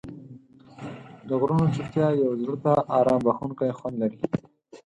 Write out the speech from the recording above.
د غرونو چوپتیا یو زړه ته آرام بښونکی خوند لري.